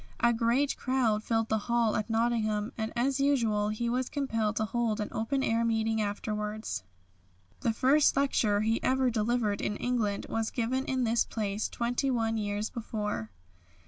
A great crowd filled the hall at Nottingham, and as usual he was compelled to hold an open air meeting afterwards. The first lecture he ever delivered in England was given in this place twenty one years before.